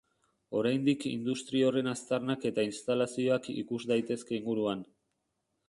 Oraindik industri horren aztarnak eta instalazioak ikus daitezke inguruan.